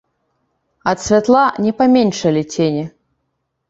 Ад святла не паменшалі цені.